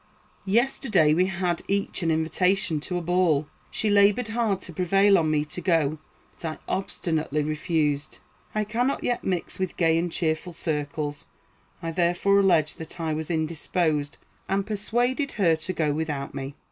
Yesterday we had each an invitation to a ball. She labored hard to prevail on me to go, but I obstinately refused. I cannot yet mix with gay and cheerful circles. I therefore alleged that I was indisposed, and persuaded her to go without me.